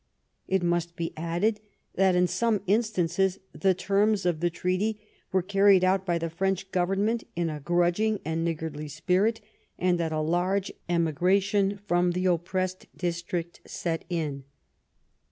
It must be added that in some instances the terms of the treaty were carried out by the French government in a grudging and a ni^ardly spirit, and that a large emigration from the oppressed district set in.